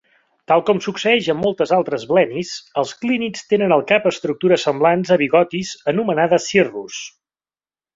Tal com succeeix amb molts altres "blennies", els clínids tenen al cap estructures semblants a bigotis anomenades cirrus.